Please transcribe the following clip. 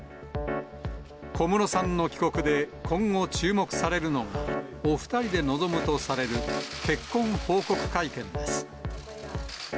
小室さんの帰国で今後、注目されるのが、お２人で臨むとされる結婚報告会見です。